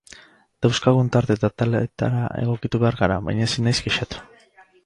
Dauzkagun tarte eta ataletara egokitu behar gara, baina ezin naiz kexatu.